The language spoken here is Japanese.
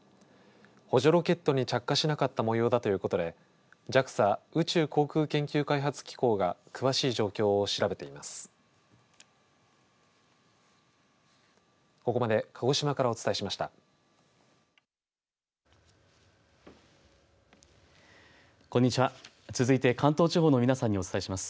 補助ロケットに着火しなかったもようだということでＪＡＸＡ宇宙航空研究開発機構が詳しい状況を調べています。